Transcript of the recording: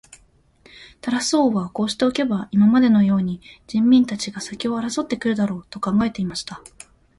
タラス王はこうしておけば、今までのように人民たちが先を争って来るだろう、と考えていました。